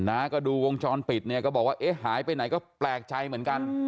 ้าก็ดูวงจรปิดเนี่ยก็บอกว่าเอ๊ะหายไปไหนก็แปลกใจเหมือนกัน